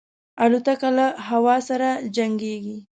الوتکه له هوا سره جنګيږي.